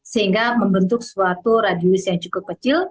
sehingga membentuk suatu radius yang cukup kecil